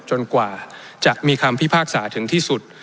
กว่าจะมีคำพิพากษาถึงที่สุด